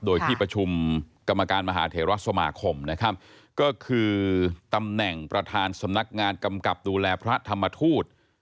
โดยที่ประชุมกรรมการมหาเทราสมาคมนะครับก็คือตำแหน่งประธานสำนักงานกำกับดูแลพระธรรมทูต